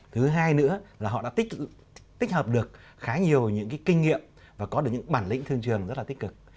thứ hai nữa là họ đã tích hợp được khá nhiều những kinh nghiệm và có được những bản lĩnh thương trường rất là tích cực